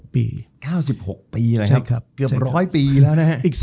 ๙๖ปีเลยครับเกือบร้อยปีแล้วนะครับ